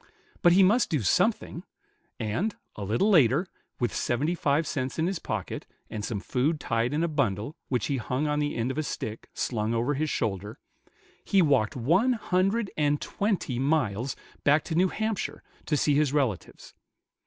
But he must do something; and, a little later, with seventy five cents in his pocket, and some food tied in a bundle, which he hung on the end of a stick, slung over his shoulder, he walked one hundred and twenty miles back to New Hampshire, to see his relatives.